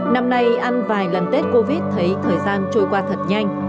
năm nay ăn vài lần tết covid thấy thời gian trôi qua thật nhanh